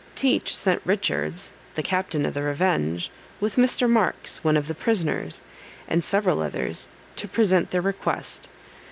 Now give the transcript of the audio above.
Teach sent Richards, the captain of the Revenge, with Mr. Marks, one of the prisoners, and several others, to present their request.